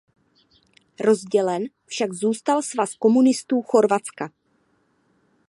Rozdělen však zůstal Svaz komunistů Chorvatska.